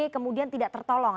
kemudian tidak tertolong